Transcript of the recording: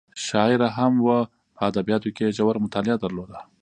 شاعره هم وه په ادبیاتو کې یې ژوره مطالعه درلوده.